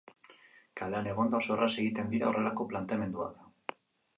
Kalean egonda oso erraz egiten dira horrelako planteamenduak.